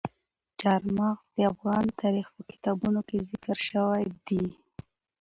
چار مغز د افغان تاریخ په کتابونو کې ذکر شوی دي.